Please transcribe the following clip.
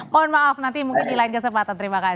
mohon maaf nanti mungkin di lain kesempatan terima kasih